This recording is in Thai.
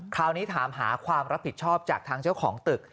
คราวนี้ถามหาความรับผิดชอบจากทางเจ้าของตึก